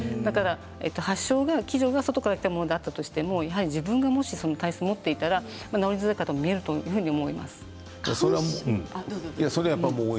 発症は外からきたものだったとしても自分がその体質を持っていたら治りづらいという方もいると思います。